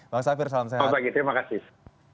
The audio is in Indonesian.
bang safir salam sehat selamat pagi terima kasih